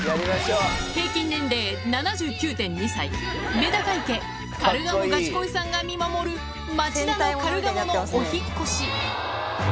平均年齢７９．２歳、メダカ池、カルガモガチ恋さんが見守る町田のカルガモのお引っ越し。